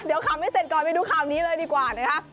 เดี๋ยวขำไม่เสร็จก่อนไปดูข่าวนี้เลยดีกว่านะคะ